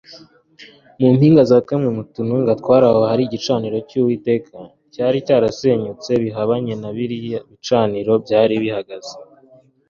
Mu mpinga za kamwe mu tununga twari aho hari igicaniro cyUwiteka cyari cyarasenyutse bihabanye na biriya bicaniro byari bihagaze